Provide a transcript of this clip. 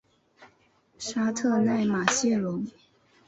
沙特奈马谢龙。